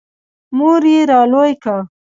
• مور یې را لوی کړ.